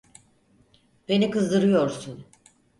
Beni kızdırıyorsun.